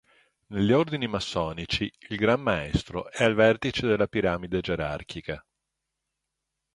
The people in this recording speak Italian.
Negli ordini massonici il Gran maestro è al vertice della piramide gerarchica.